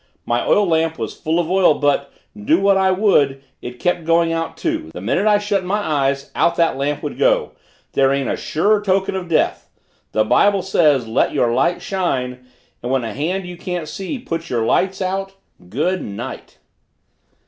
My oil lamp was full of oil but, do what I would, it kept going out, too the minute I shut my eyes out that lamp would go. There ain't a surer token of death! The Bible says, 'Let your light shine' and when a hand you can't see puts your lights out good night!"